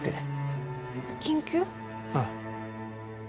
ああ。